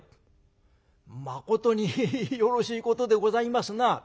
「まことによろしいことでございますな」。